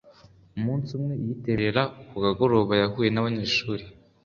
umunsi umwe yitemberera ku kagoroba yahuye n’abanyeshuri